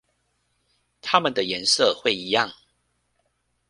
它們的顏色會一樣